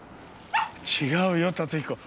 違うよ龍彦。